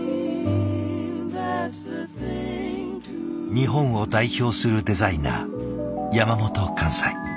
日本を代表するデザイナー山本寛斎。